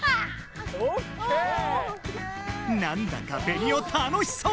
なんだかベニオ楽しそう！